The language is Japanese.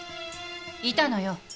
いたのよ。